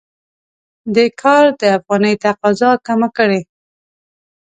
دې کار د افغانۍ تقاضا کمه کړې.